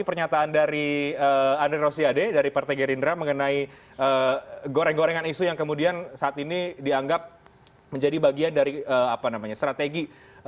pernyataan dari andre rosiade dari partai gerindra mengenai goreng gorengan isu yang kemudian saat ini dianggap menjadi bagian dari strategi